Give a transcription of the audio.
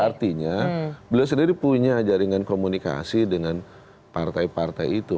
artinya beliau sendiri punya jaringan komunikasi dengan partai partai itu